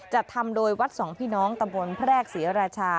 จะทำโดยวัดสองพี่น้องตำบลแพรกศรีราชา